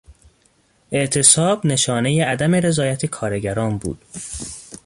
اعتصاب نشانهی عدم رضایت کارگران بود.